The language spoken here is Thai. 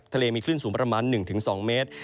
ทะเลมีคลื่นสูงประมาณ๑๒เมตร